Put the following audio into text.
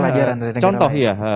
pelajaran dari negara lain contoh ya